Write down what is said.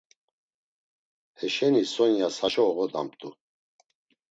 Heşeni Sonyas haşo oğodamt̆u.